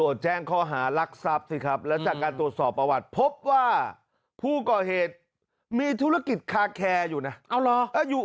โอ้นี่เจ้าของธุรกิจเหรอเนี่ยโอ้นี่เจ้าของธุรกิจเนี่ยโอ้นี่เจ้าของธุรกิจเหรอเนี่ย